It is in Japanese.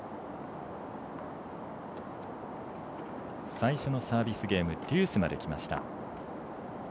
最初のサービスゲームデュースまできました。